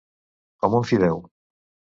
Com un fideu.